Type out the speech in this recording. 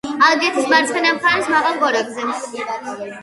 ალგეთის მარცხენა მხარეს მაღალ გორაკზე.